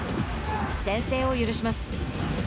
先制を許します。